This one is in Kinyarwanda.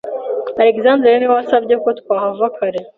Alexandre niwe wasabye ko twahava kare.